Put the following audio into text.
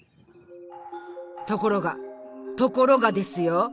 ところがところがですよ！